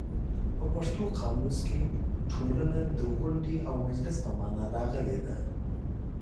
په پښتو قاموس کې ټولنه د غونډې او مجلس په مانا راغلې ده.